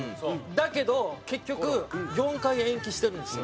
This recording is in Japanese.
だけど結局４回延期してるんですよ。